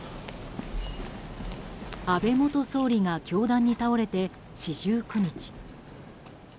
安倍元総理が凶弾に倒れて４９日。